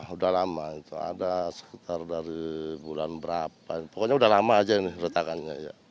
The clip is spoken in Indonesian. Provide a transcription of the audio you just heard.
sudah lama itu ada sekitar dari bulan berapa pokoknya udah lama aja ini retakannya ya